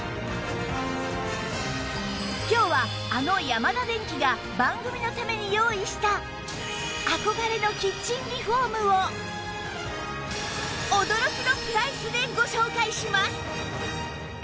今日はあのヤマダデンキが番組のために用意した憧れのキッチンリフォームを驚きのプライスでご紹介します